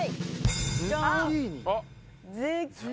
ジャーン！